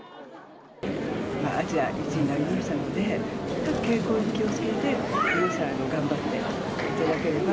アジア１位になりましたので、引き続き健康に気をつけて、頑張っていただければ。